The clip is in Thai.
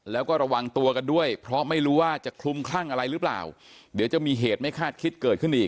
แล้วก็ระวังตัวกันด้วยเพราะไม่รู้ว่าจะคลุมคลั่งอะไรหรือเปล่าเดี๋ยวจะมีเหตุไม่คาดคิดเกิดขึ้นอีก